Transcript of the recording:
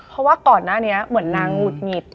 เพราะว่าก่อนหน้านี้เหมือนนางหงุดหงิด